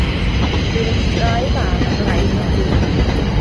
Bu iddynt ddau fab a thair merch.